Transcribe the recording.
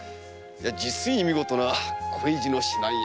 実に見事な恋路の指南役。